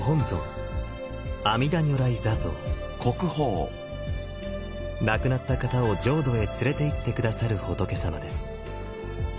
ご本尊亡くなった方を浄土へ連れていって下さる仏様です。